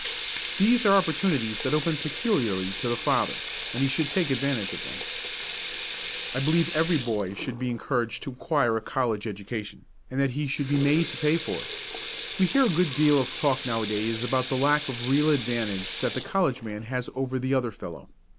These are opportunities that open peculiarly to the father, and he should take advantage of them. I believe that every boy should be encouraged to acquire a college education and that he should be made to pay for it. We hear a good deal of talk nowadays about the lack of real advantage that the college man has over the other fellow.